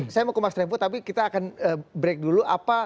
saya mau ke mas revo tapi kita akan break dulu